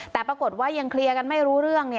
แต่ปรากฏว่ายังเคลียร์กันไม่รู้เรื่อง